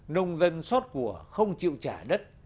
nông dân xót của không chịu trả đất